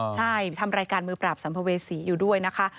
ใช่ทำรายการมือปราบสัมภเวษีอยู่ด้วยนะคะ